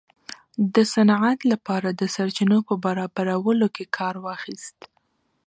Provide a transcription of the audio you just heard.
د صنعت لپاره د سرچینو په برابرولو کې کار واخیست.